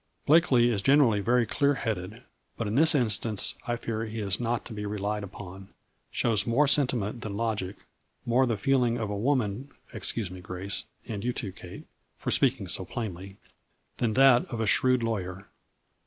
Blakely is gen erally very clear headed, but in this instance I fear he is not to be relied upon, shows more sentiment than logic, more the feeling of a woman (excuse me, Grace, and you too, Kate, for speaking so plainly) than that of a shrewd lawyer."